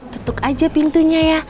tutup aja pintunya ya